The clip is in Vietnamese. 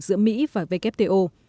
giữa mỹ và wto